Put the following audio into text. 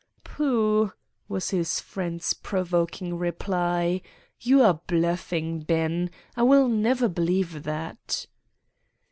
"'Pooh!' was his friend's provoking reply, 'you are bluffing, Ben; I will never believe that.